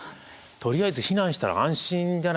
とりあえず避難したら安心じゃないですか。